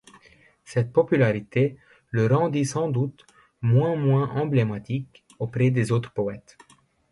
Cette popularité le rendit sans doute moins moins emblématique, auprès des autres poètes.